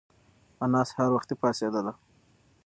انا سهار وختي پاڅېدله.